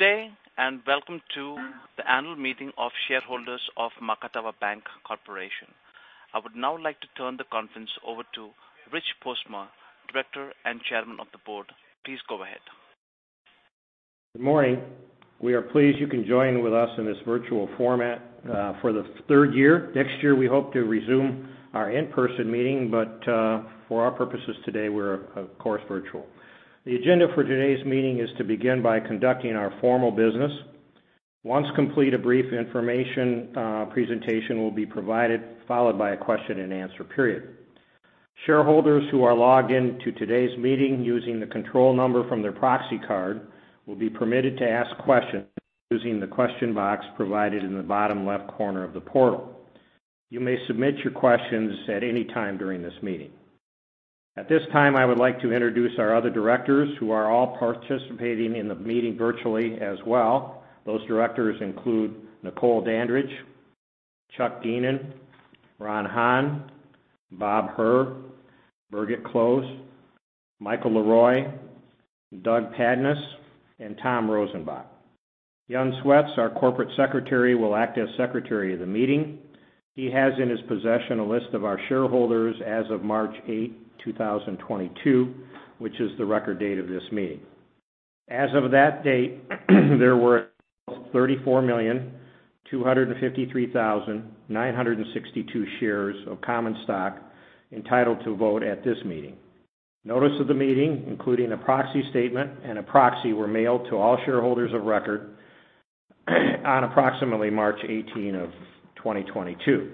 Good day, and welcome to the annual meeting of shareholders of Macatawa Bank Corporation. I would now like to turn the conference over to Rich Postma, Director and Chairman of the Board. Please go ahead. Good morning. We are pleased you can join with us in this virtual format for the third year. Next year, we hope to resume our in-person meeting, but for our purposes today, we're of course virtual. The agenda for today's meeting is to begin by conducting our formal business. Once complete, a brief information presentation will be provided, followed by a question-and-answer period. Shareholders who are logged in to today's meeting using the control number from their proxy card will be permitted to ask questions using the question box provided in the bottom left corner of the portal. You may submit your questions at any time during this meeting. At this time, I would like to introduce our other directors who are all participating in the meeting virtually as well. Those directors include Nicole Dandridge, Chuck Geenen, Ron Haan, Bob Herr, Birgit Klohs, Michael LeRoy, Doug Padnos, and Tom Rosenbach. Jon Swets, our corporate secretary, will act as secretary of the meeting. He has in his possession a list of our shareholders as of March 8, 2022, which is the record date of this meeting. As of that date, there were 34,253,962 shares of common stock entitled to vote at this meeting. Notice of the meeting, including a proxy statement and a proxy, were mailed to all shareholders of record on approximately March 18, 2022.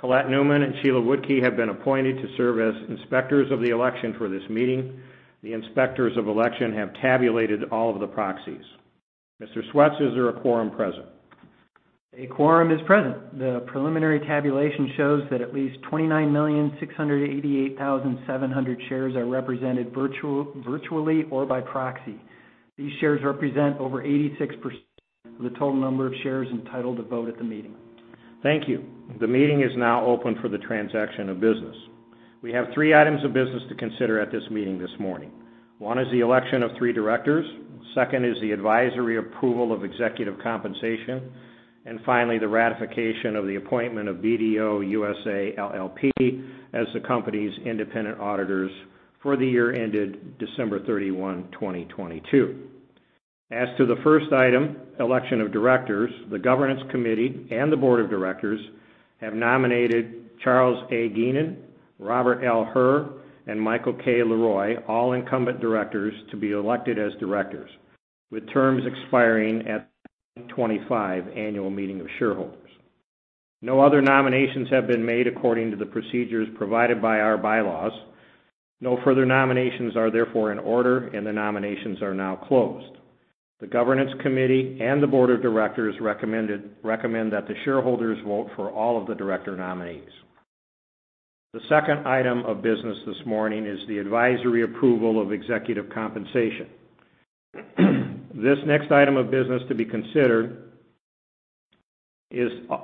Colette Newman and Sheila Wutke have been appointed to serve as inspectors of the election for this meeting. The inspectors of election have tabulated all of the proxies. Mr. Swets, is there a quorum present? A quorum is present. The preliminary tabulation shows that at least 29,688,700 shares are represented virtually or by proxy. These shares represent over 86% of the total number of shares entitled to vote at the meeting. Thank you. The meeting is now open for the transaction of business. We have three items of business to consider at this meeting this morning. One is the election of three directors. Second is the advisory approval of executive compensation. Finally, the ratification of the appointment of BDO USA LLP as the company's independent auditors for the year ended December 31, 2022. As to the first item, election of directors, the governance committee and the board of directors have nominated Charles A. Geenen, Robert L. Herr, and Michael K. LeRoy, all incumbent directors, to be elected as directors, with terms expiring at 2025 annual meeting of shareholders. No other nominations have been made according to the procedures provided by our bylaws. No further nominations are therefore in order, and the nominations are now closed. The governance committee and the board of directors recommend that the shareholders vote for all of the director nominees. The second item of business this morning is the advisory approval of executive compensation. This next item of business to be considered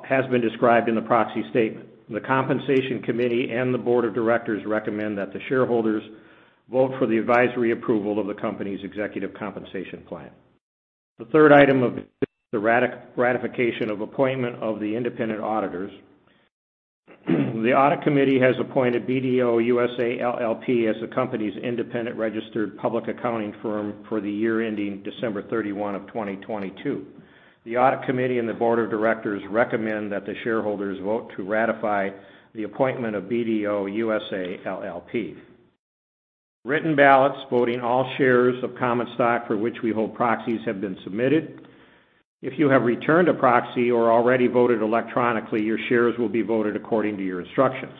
has been described in the proxy statement. The compensation committee and the board of directors recommend that the shareholders vote for the advisory approval of the company's executive compensation plan. The third item of the ratification of appointment of the independent auditors. The audit committee has appointed BDO USA LLP as the company's independent registered public accounting firm for the year ending December 31, 2022. The audit committee and the board of directors recommend that the shareholders vote to ratify the appointment of BDO USA LLP. Written ballots voting all shares of common stock for which we hold proxies have been submitted. If you have returned a proxy or already voted electronically, your shares will be voted according to your instructions.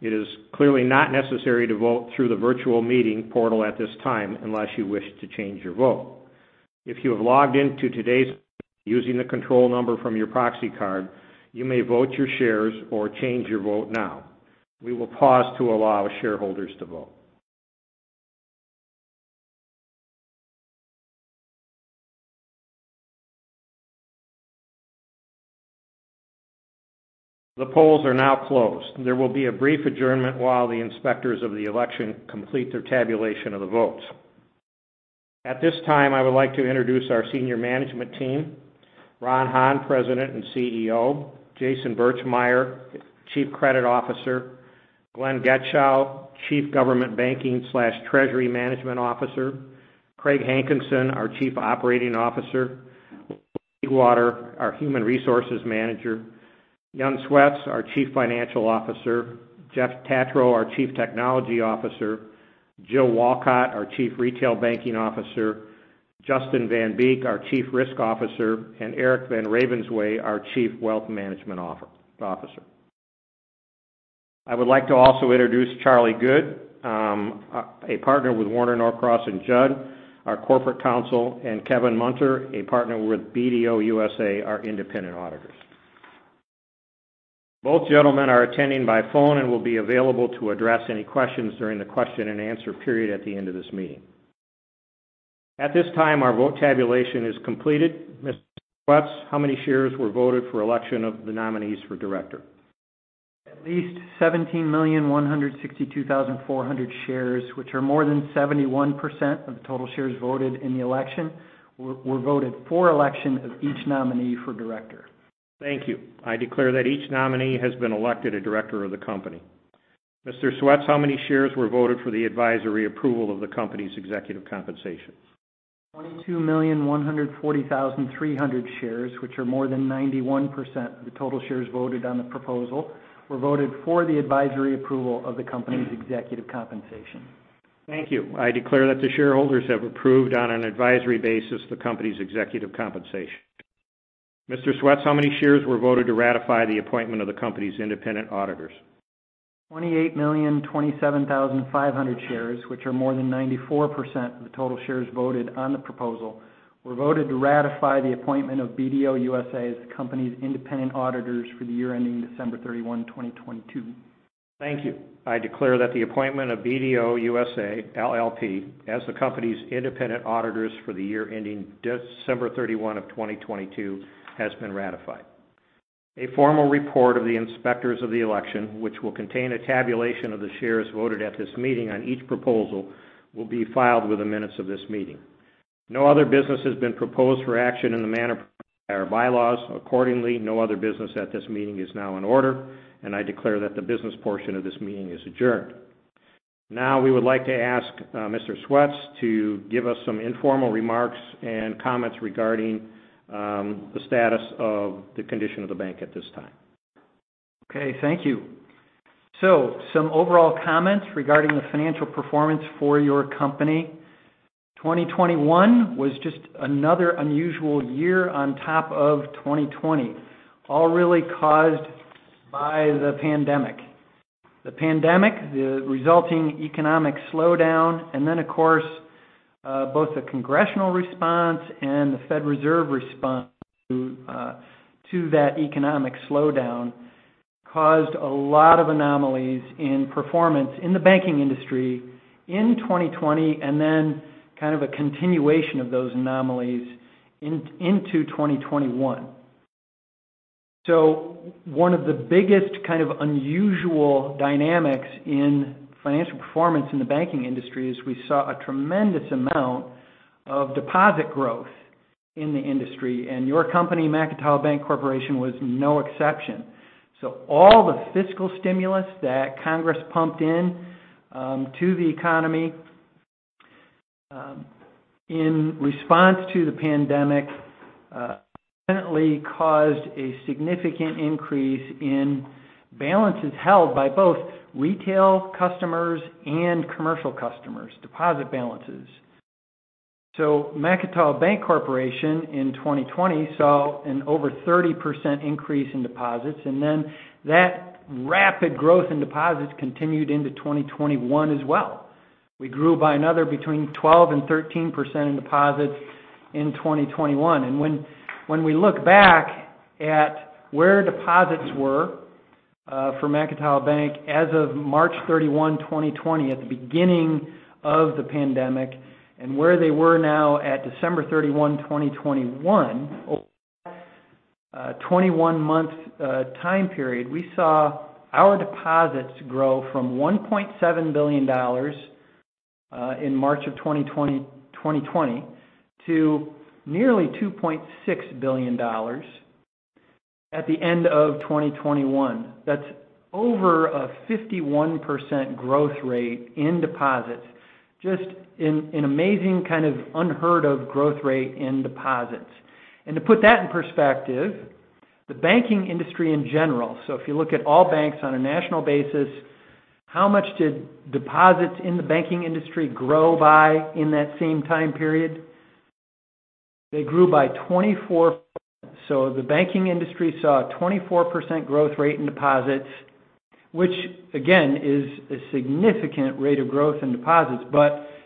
It is clearly not necessary to vote through the virtual meeting portal at this time unless you wish to change your vote. If you have logged in to today's meeting using the control number from your proxy card, you may vote your shares or change your vote now. We will pause to allow shareholders to vote. The polls are now closed. There will be a brief adjournment while the inspectors of the election complete their tabulation of the votes. At this time, I would like to introduce our senior management team, Ron Haan, President and CEO, Jason Birchmeier, Chief Credit Officer, Glenn Getschow, Chief Government Banking/Treasury Management Officer, Craig Hankinson, our Chief Operating Officer, our Human Resources Manager, Jon Swets, our Chief Financial Officer, Jeff Tatro, our Chief Technology Officer, Joe Walcott, our Chief Retail Banking Officer, Justin VanBeek, our Chief Risk Officer, and Eric Van Ravensway, our Chief Wealth Management Officer. I would like to also introduce Charlie Goode, a partner with Warner Norcross & Judd, our corporate counsel, and Kevin Munter, a partner with BDO USA, our independent auditors. Both gentlemen are attending by phone and will be available to address any questions during the question-and-answer period at the end of this meeting. At this time, our vote tabulation is completed. Mr. Swets, how many shares were voted for election of the nominees for director? At least 17,162,400 shares, which are more than 71% of the total shares voted in the election were voted for election of each nominee for director. Thank you. I declare that each nominee has been elected a director of the company. Mr. Swets, how many shares were voted for the advisory approval of the company's executive compensation? 22,140,300 shares, which are more than 91% of the total shares voted on the proposal, were voted for the advisory approval of the company's executive compensation. Thank you. I declare that the shareholders have approved on an advisory basis the company's executive compensation. Mr. Swets, how many shares were voted to ratify the appointment of the company's independent auditors? 28,027,500 shares, which are more than 94% of the total shares voted on the proposal, were voted to ratify the appointment of BDO USA as the company's independent auditors for the year ending December 31, 2022. Thank you. I declare that the appointment of BDO USA, LLP as the company's independent auditors for the year ending December 31, 2022 has been ratified. A formal report of the inspectors of the election, which will contain a tabulation of the shares voted at this meeting on each proposal, will be filed with the minutes of this meeting. No other business has been proposed for action in the manner provided by our bylaws. Accordingly, no other business at this meeting is now in order, and I declare that the business portion of this meeting is adjourned. Now, we would like to ask Mr. Swets to give us some informal remarks and comments regarding the status of the condition of the bank at this time. Okay, thank you. Some overall comments regarding the financial performance for your company. 2021 was just another unusual year on top of 2020, all really caused by the pandemic. The pandemic, the resulting economic slowdown, and then, of course, both the congressional response and the Federal Reserve response to that economic slowdown caused a lot of anomalies in performance in the banking industry in 2020 and then kind of a continuation of those anomalies into 2021. One of the biggest kind of unusual dynamics in financial performance in the banking industry is we saw a tremendous amount of deposit growth in the industry, and your company, Macatawa Bank Corporation, was no exception. All the fiscal stimulus that Congress pumped in, to the economy, in response to the pandemic, evidently caused a significant increase in balances held by both retail customers and commercial customers, deposit balances. Macatawa Bank Corporation in 2020 saw an over 30% increase in deposits, and then that rapid growth in deposits continued into 2021 as well. We grew by another between 12% and 13% in deposits in 2021. When we look back at where deposits were for Macatawa Bank as of March 31, 2020, at the beginning of the pandemic, and where they were now at December 31, 2021, over that 21-month time period, we saw our deposits grow from $1.7 billion in March of 2020 to nearly $2.6 billion at the end of 2021. That's over a 51% growth rate in deposits. Just an amazing, kind of unheard of growth rate in deposits. To put that in perspective, the banking industry in general, so if you look at all banks on a national basis, how much did deposits in the banking industry grow by in that same time period? They grew by 24%. The banking industry saw a 24% growth rate in deposits, which again, is a significant rate of growth in deposits.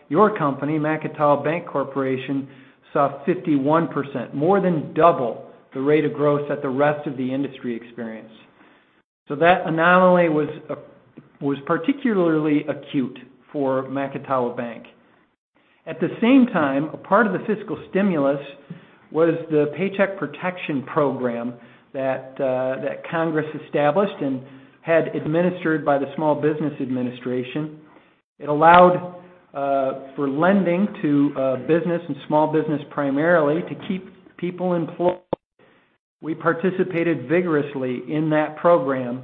Your company, Macatawa Bank Corporation, saw 51%, more than double the rate of growth that the rest of the industry experienced. That anomaly was particularly acute for Macatawa Bank. At the same time, a part of the fiscal stimulus was the Paycheck Protection Program that Congress established and had administered by the Small Business Administration. It allowed for lending to business and small business primarily to keep people employed. We participated vigorously in that program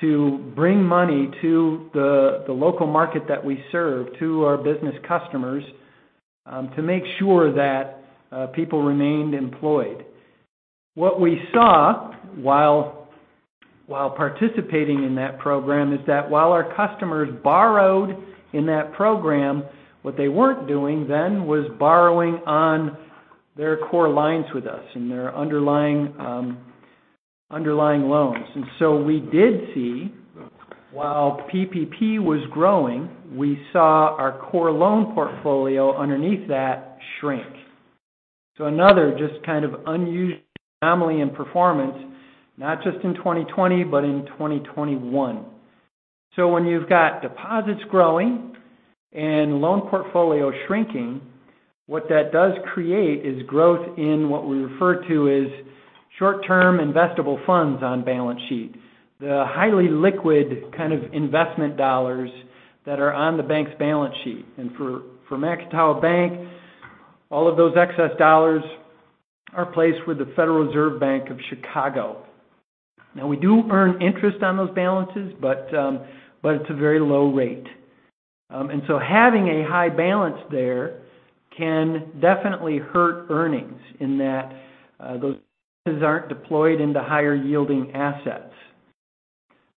to bring money to the local market that we serve, to our business customers, to make sure that people remained employed. What we saw while participating in that program is that while our customers borrowed in that program, what they weren't doing then was borrowing on their core lines with us and their underlying loans. We did see, while PPP was growing, we saw our core loan portfolio underneath that shrink. Another just kind of unusual anomaly in performance, not just in 2020, but in 2021. When you've got deposits growing and loan portfolio shrinking, what that does create is growth in what we refer to as short-term investable funds on balance sheet. The highly liquid kind of investment dollars that are on the bank's balance sheet. For Macatawa Bank, all of those excess dollars are placed with the Federal Reserve Bank of Chicago. Now, we do earn interest on those balances, but it's a very low rate. Having a high balance there can definitely hurt earnings in that those balances aren't deployed into higher yielding assets.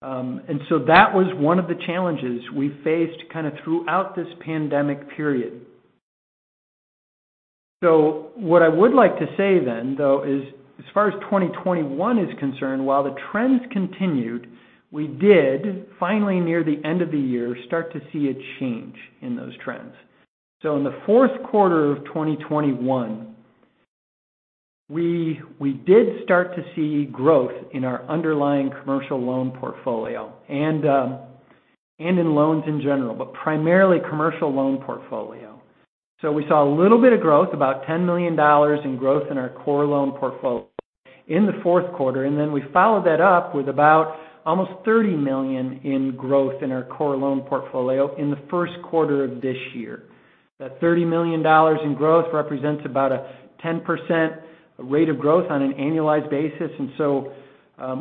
That was one of the challenges we faced kind of throughout this pandemic period. What I would like to say then, though, is as far as 2021 is concerned, while the trends continued, we did finally, near the end of the year, start to see a change in those trends. In the fourth quarter of 2021, we did start to see growth in our underlying commercial loan portfolio and in loans in general, but primarily commercial loan portfolio. We saw a little bit of growth, about $10 million in growth in our core loan portfolio in the fourth quarter, and then we followed that up with about almost $30 million in growth in our core loan portfolio in the first quarter of this year. That $30 million in growth represents about a 10% rate of growth on an annualized basis.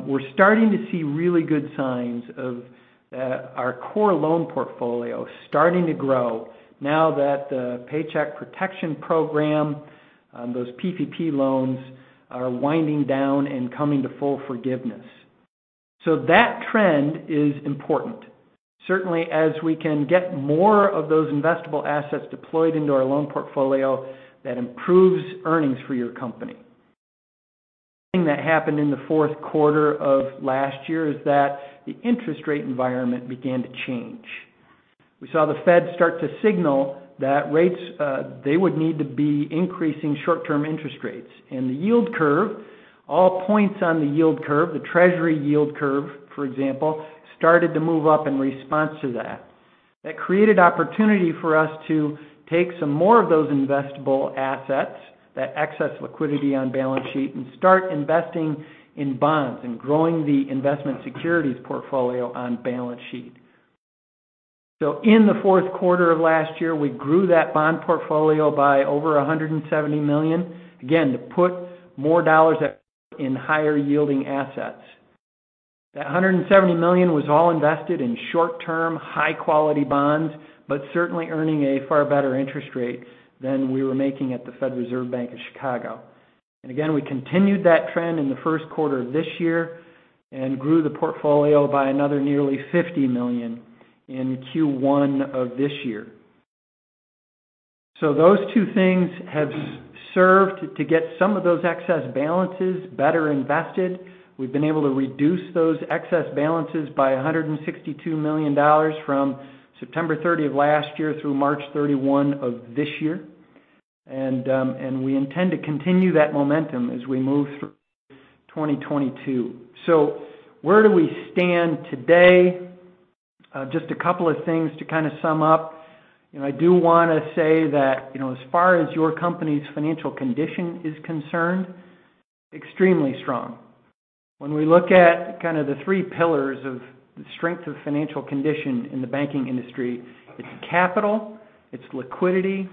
We're starting to see really good signs of our core loan portfolio starting to grow now that the Paycheck Protection Program, those PPP loans are winding down and coming to full forgiveness. That trend is important. Certainly, as we can get more of those investable assets deployed into our loan portfolio, that improves earnings for your company. Something that happened in the fourth quarter of last year is that the interest rate environment began to change. We saw the Fed start to signal that rates, they would need to be increasing short-term interest rates. The yield curve, all points on the yield curve, the Treasury yield curve, for example, started to move up in response to that. That created opportunity for us to take some more of those investable assets, that excess liquidity on balance sheet, and start investing in bonds and growing the investment securities portfolio on balance sheet. In the fourth quarter of last year, we grew that bond portfolio by over $170 million. Again, to put more dollars at work in higher yielding assets. That $170 million was all invested in short-term, high-quality bonds, but certainly earning a far better interest rate than we were making at the Federal Reserve Bank of Chicago. Again, we continued that trend in the first quarter of this year and grew the portfolio by another nearly $50 million in Q1 of this year. Those two things have served to get some of those excess balances better invested. We've been able to reduce those excess balances by $162 million from September 30 of last year through March 31 of this year. We intend to continue that momentum as we move through 2022. Where do we stand today? Just a couple of things to kind of sum up. You know, I do want to say that, you know, as far as your company's financial condition is concerned, extremely strong. When we look at kind of the three pillars of the strength of financial condition in the banking industry, it's capital, it's liquidity,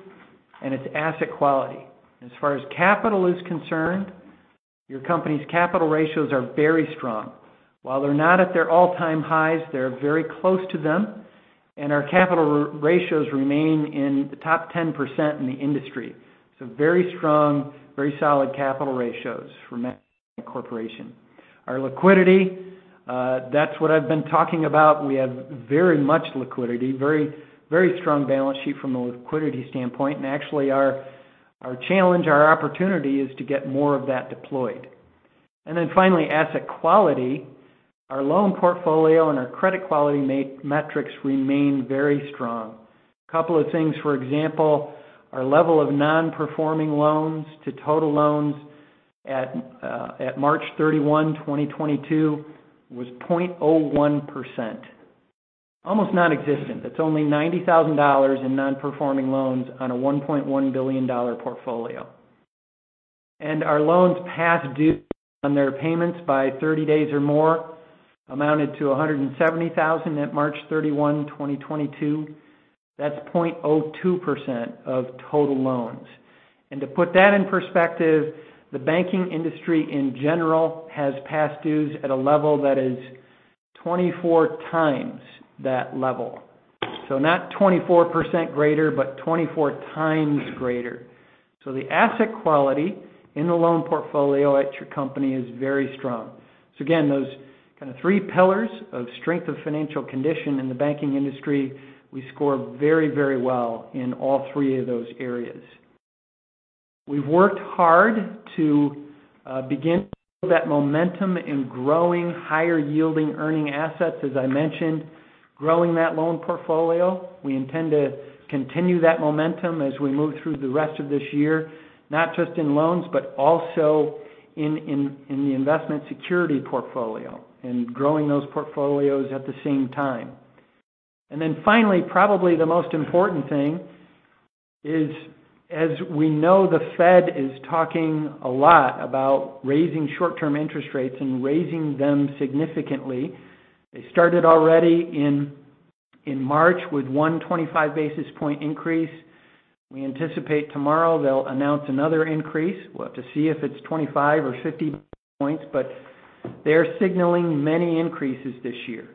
and it's asset quality. As far as capital is concerned, your company's capital ratios are very strong. While they're not at their all-time highs, they're very close to them, and our capital ratios remain in the top 10% in the industry. Very strong, very solid capital ratios for Macatawa Bank Corporation. Our liquidity, that's what I've been talking about. We have very much liquidity, very, very strong balance sheet from a liquidity standpoint. Actually our challenge, our opportunity is to get more of that deployed. Finally, asset quality. Our loan portfolio and our credit quality metrics remain very strong. A couple of things. For example, our level of non-performing loans to total loans at March 31, 2022 was 0.01%, almost non-existent. That's only $90,000 in non-performing loans on a $1.1 billion portfolio. Our loans past due on their payments by 30 days or more amounted to $170,000 at March 31, 2022. That's 0.02% of total loans. To put that in perspective, the banking industry in general has past dues at a level that is 24 times that level. Not 24% greater, but 24 times greater. The asset quality in the loan portfolio at your company is very strong. Again, those kind of three pillars of strength of financial condition in the banking industry, we score very, very well in all three of those areas. We've worked hard to begin to build that momentum in growing higher yielding earning assets, as I mentioned, growing that loan portfolio. We intend to continue that momentum as we move through the rest of this year, not just in loans, but also in the investment security portfolio and growing those portfolios at the same time. Finally, probably the most important thing is as we know, the Fed is talking a lot about raising short-term interest rates and raising them significantly. They started already in March with 125 basis point increase. We anticipate tomorrow they'll announce another increase. We'll have to see if it's 25 or 50 points, but they're signaling many increases this year.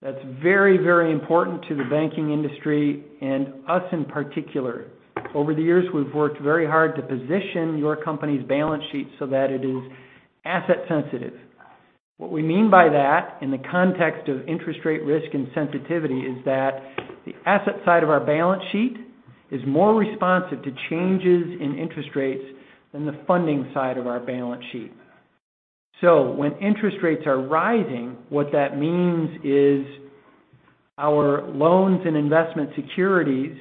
That's very, very important to the banking industry and us in particular. Over the years, we've worked very hard to position your company's balance sheet so that it is asset sensitive. What we mean by that in the context of interest rate risk and sensitivity is that the asset side of our balance sheet is more responsive to changes in interest rates than the funding side of our balance sheet. When interest rates are rising, what that means is our loans and investment securities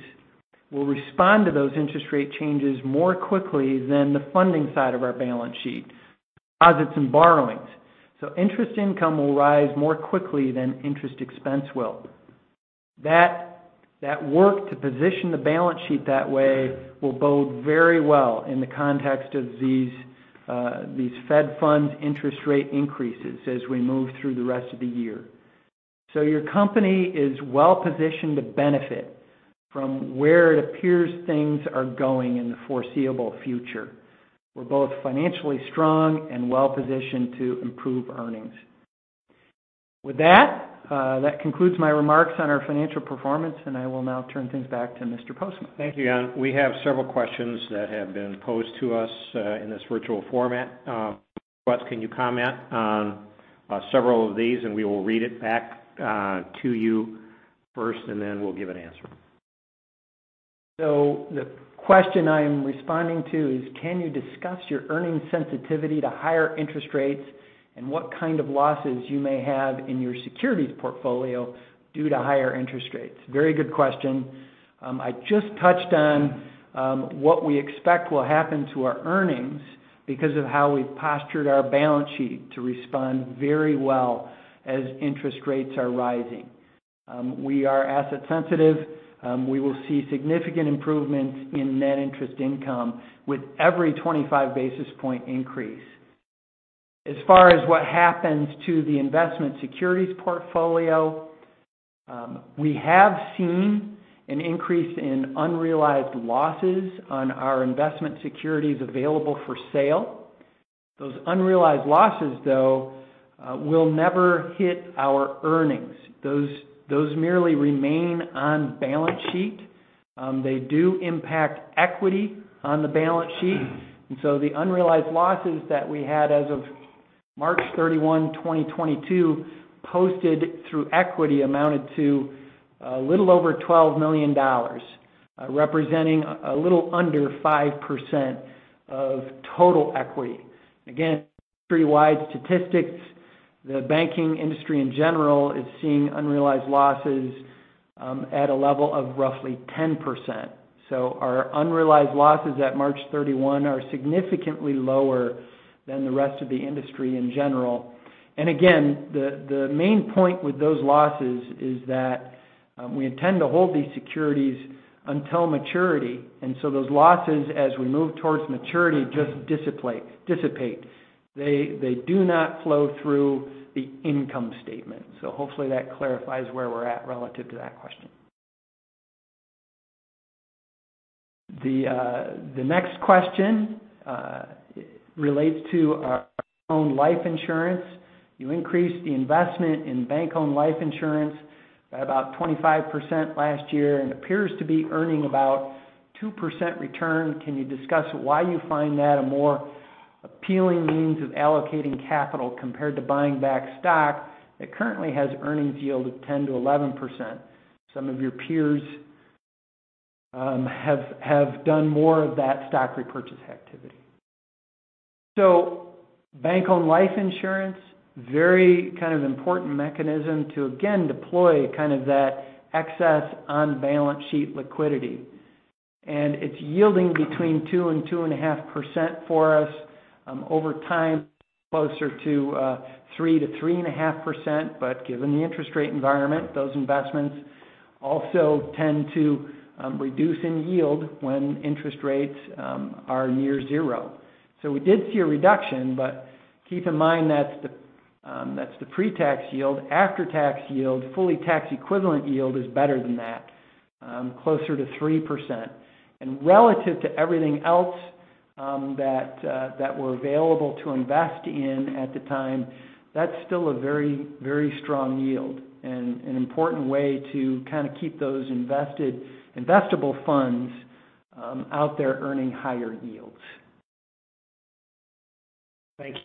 will respond to those interest rate changes more quickly than the funding side of our balance sheet, deposits and borrowings. Interest income will rise more quickly than interest expense will. That work to position the balance sheet that way will bode very well in the context of these Fed Funds interest rate increases as we move through the rest of the year. Your company is well-positioned to benefit from where it appears things are going in the foreseeable future. We're both financially strong and well-positioned to improve earnings. With that concludes my remarks on our financial performance, and I will now turn things back to Mr. Postma. Thank you, Jon. We have several questions that have been posed to us in this virtual format. Can you comment on several of these, and we will read it back to you first, and then we'll give an answer. The question I am responding to is, can you discuss your earnings sensitivity to higher interest rates and what kind of losses you may have in your securities portfolio due to higher interest rates? Very good question. I just touched on what we expect will happen to our earnings because of how we've postured our balance sheet to respond very well as interest rates are rising. We are asset sensitive. We will see significant improvements in net interest income with every 25 basis point increase. As far as what happens to the investment securities portfolio, we have seen an increase in unrealized losses on our investment securities available for sale. Those unrealized losses, though, will never hit our earnings. Those merely remain on balance sheet. They do impact equity on the balance sheet. The unrealized losses that we had as of March 31, 2022, posted through equity amounted to a little over $12 million, representing a little under 5% of total equity. Again, pretty wide statistics. The banking industry in general is seeing unrealized losses at a level of roughly 10%. Our unrealized losses at March 31 are significantly lower than the rest of the industry in general. The main point with those losses is that we intend to hold these securities until maturity, and those losses, as we move towards maturity, just dissipate. They do not flow through the income statement. Hopefully that clarifies where we're at relative to that question. The next question relates to our own life insurance. You increased the investment in bank-owned life insurance by about 25% last year and appears to be earning about 2% return. Can you discuss why you find that a more appealing means of allocating capital compared to buying back stock that currently has earnings yield of 10%-11%? Some of your peers have done more of that stock repurchase activity. Bank-owned life insurance very kind of important mechanism to again deploy kind of that excess on balance sheet liquidity. It's yielding between 2% and 2.5% for us. Over time, closer to 3%-3.5%, but given the interest rate environment, those investments also tend to reduce in yield when interest rates are near zero. We did see a reduction, but keep in mind that's the pre-tax yield. After-tax yield, fully tax equivalent yield is better than that, closer to 3%. Relative to everything else that were available to invest in at the time, that's still a very, very strong yield and an important way to kind of keep those investable funds out there earning higher yields. Thank you.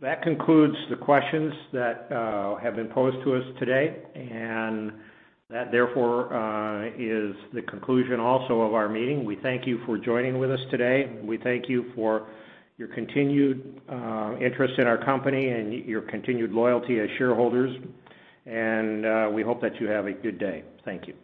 That concludes the questions that have been posed to us today, and that, therefore, is the conclusion also of our meeting. We thank you for joining with us today, and we thank you for your continued interest in our company and your continued loyalty as shareholders. We hope that you have a good day. Thank you.